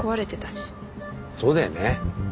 そうだよね。